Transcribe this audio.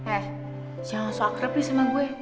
eh jangan langsung akrab nih sama gue